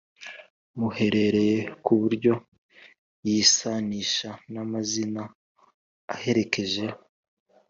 muhereye ku buryo yisanisha n’amazina aherekeje,